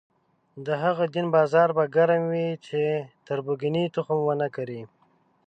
د هغه دین بازار به ګرم وي چې تربګنۍ تخم ونه کري.